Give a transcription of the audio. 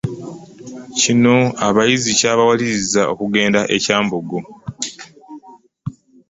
Kino abayizi kyabawalirizza okugenda e Kyambogo